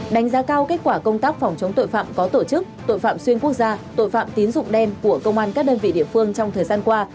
đánh giá cao kết quả công tác phòng chống tội phạm có tổ chức tội phạm xuyên quốc gia tội phạm tín dụng đen của công an các đơn vị địa phương trong thời gian qua